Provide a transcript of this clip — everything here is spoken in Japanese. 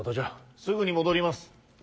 すぐに戻ります。